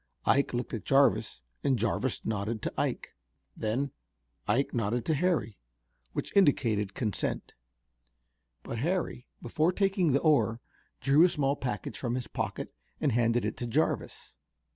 Ike looked at Jarvis and Jarvis nodded to Ike. Then Ike nodded to Harry, which indicated consent. But Harry, before taking the oar, drew a small package from his pocket and handed it to Jarvis.